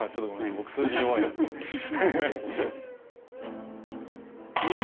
僕数字弱いんで。